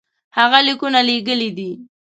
هغه لیکونه لېږلي دي.